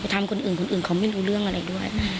ทำคนอื่นคนอื่นเขาไม่รู้เรื่องอะไรด้วย